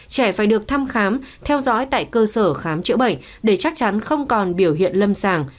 trẻ phải được thăm khám theo dõi tại cơ sở khám chữa bệnh để chắc chắn không còn biểu hiện lâm sàng